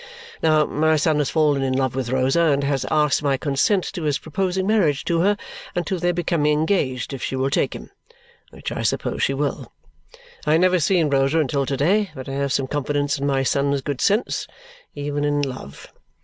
Now, my son has fallen in love with Rosa and has asked my consent to his proposing marriage to her and to their becoming engaged if she will take him which I suppose she will. I have never seen Rosa until to day, but I have some confidence in my son's good sense even in love.